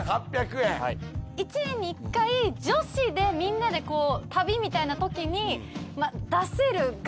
１年に１回女子みんなで旅みたいなときに出せる額のぎりぎり。